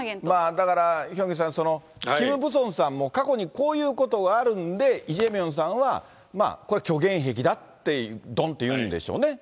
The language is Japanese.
だからヒョンギさん、だから、キム・ブソンさんも過去にこういうことがあるんで、イ・ジェミョンさんはまあ、これは虚言癖だって、どんって言うんでしょうね。